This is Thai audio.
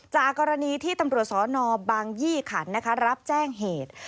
จากกรณีที่ตำรวจสนบางยี่ขันนะคะรับแจ้งเหตุ